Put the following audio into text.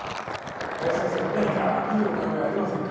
林先生、何かいいお考えありませんか。